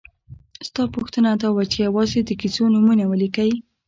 ستا پوښتنه دا وه چې یوازې د کیسو نومونه ولیکئ.